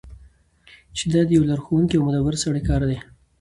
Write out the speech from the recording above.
چی دا د یو لارښوونکی او مدبر سړی کار دی.